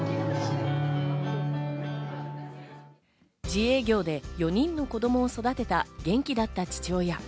自営業で４人の子供を育てた元気だった父親。